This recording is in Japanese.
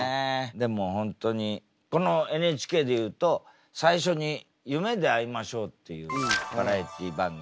でも本当にこのＮＨＫで言うと最初に「夢であいましょう」っていうバラエティー番組があって。